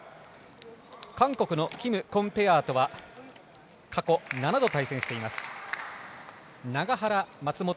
韓国のキム、コンペアとは過去７度対戦しています。